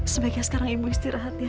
sebaiknya sekarang ibu istirahat ya